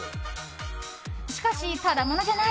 しかし、ただ者じゃない！